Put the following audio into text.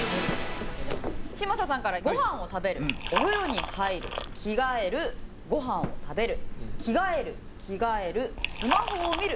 嶋佐さんから「ご飯を食べる」「お風呂に入る」「着替える」「ご飯を食べる」「着替える」「着替える」「スマホを見る」